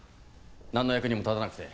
なんの役にも立たなくて。